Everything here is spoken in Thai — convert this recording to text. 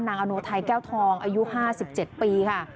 นางอนว์ไทยแก้วทองอายุ๕๗ปีค่ะ